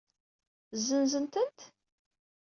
Zenzen-tent?